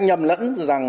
cái nhầm lẫn